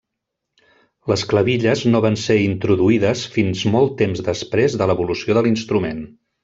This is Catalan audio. Les clavilles no van ser introduïdes fins molt temps després de l'evolució de l'instrument.